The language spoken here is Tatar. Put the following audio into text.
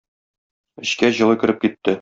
Эчкә җылы кереп китте.